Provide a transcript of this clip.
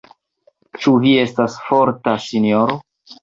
Ĉu vi estas forta, sinjoro?